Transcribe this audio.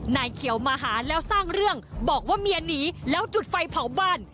นายเขียวมาหาแล้วสร้างเรื่องบอกว่าเมียหนีแล้วจุดไฟเผาบ้าน